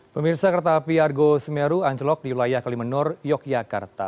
pemirsa kereta api argo semeru anjlok di wilayah kalimenur yogyakarta